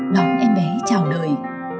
đóng em bé chào đời